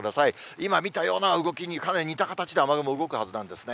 今見たような動きにかなり似た形で雨雲、動くはずなんですね。